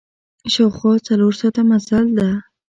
شاوخوا څلور ساعته مزل ده.